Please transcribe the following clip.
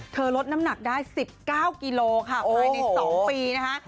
เธอลดน้ำหนักได้๑๙กิโลกรัมค่ะไว้ใน๒ปีนะฮะ